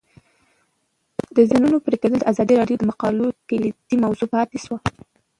د ځنګلونو پرېکول د ازادي راډیو د مقالو کلیدي موضوع پاتې شوی.